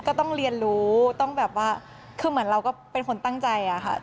ก็ต้องเรียนรู้คือเหมือนเราก็เป็นคนตั้งใจค่ะ